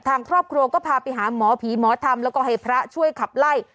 ทางครอบครัวก็พาไปหาหมอผีหมอธรรมแล้วก็ให้พระช่วยขับไล่